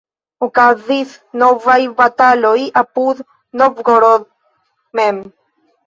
Okazis novaj bataloj apud Novgorod mem.